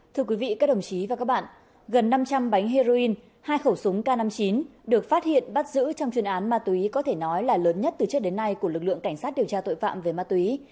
thưa quý vị các đồng chí và các bạn gần năm trăm linh bánh heroin hai khẩu súng k năm mươi chín được phát hiện bắt giữ trong chuyên án ma túy có thể nói là lớn nhất từ trước đến nay của lực lượng cảnh sát điều tra tội phạm về ma túy